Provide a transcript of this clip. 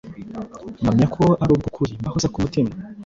mpamya ko ari ubw’ukuri, mbahoza ku mutima,